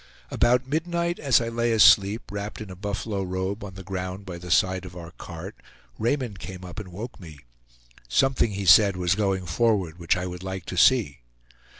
About midnight, as I lay asleep, wrapped in a buffalo robe on the ground by the side of our cart, Raymond came up and woke me. Something he said, was going forward which I would like to see.